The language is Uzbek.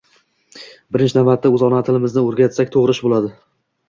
birinchi navbatda o‘z ona tilimizni o‘rgatsak, to‘g‘ri ish bo‘ladi.